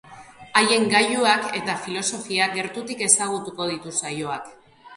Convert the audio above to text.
Haien gailuak eta filosofia gertutik ezagutuko ditu saioak.